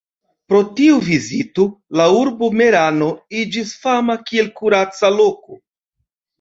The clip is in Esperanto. Pro tiu vizito la urbo Merano iĝis fama kiel kuraca loko.